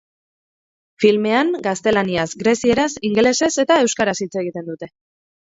Filmean, gaztelaniaz, grezieraz, ingelesez eta euskaraz hitz egiten dute.